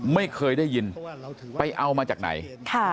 ไม่เคยได้ยินไปเอามาจากไหน